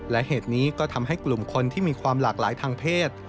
และเหตุนี้ก็ทำให้กลุ่มคนที่มีความหลากหลายทางเพศ